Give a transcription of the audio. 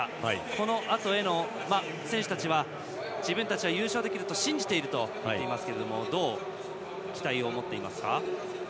このあとへ選手たちは自分たちは優勝できると信じているといいますがどう期待を持っていますか？